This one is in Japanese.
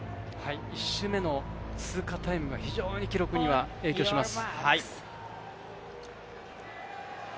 １周目の通過タイムが非常に記録には影響します。